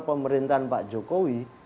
pemerintahan pak jokowi